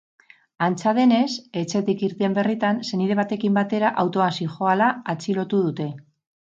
Antza denez, etxetik irten berritan senide batekin batera autoan zihoala atxilotu dute.